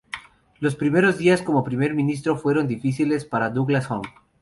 Los primeros días como Primer Ministro fueron difíciles para Douglas-Home.